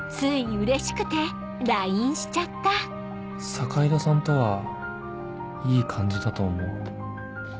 坂井戸さんとはいい感じだと思う